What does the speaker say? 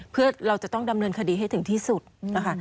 เพื่อเราจะต้องดำเนินคดีให้ถึงที่สุดนะคะ